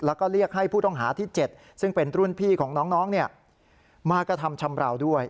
แล้วก็เรียกให้ผู้ต้องหาที่๗ซึ่งเป็นรุ่นพี่ของน้องมากระทำชำราวด้วย